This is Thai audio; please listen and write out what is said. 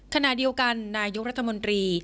ขณะเดียวกันนายกรัฐมนตรี